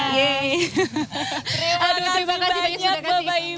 terima kasih banyak bapak ibu